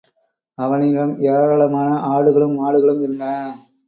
அவனிடம் ஏராளமான ஆடுகளும் மாடுகளும இருந்தன.